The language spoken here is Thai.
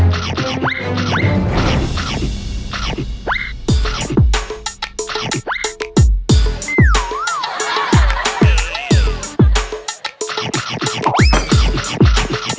มันน่าจะทำอะไร